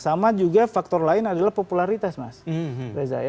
sama juga faktor lain adalah popularitas mas reza ya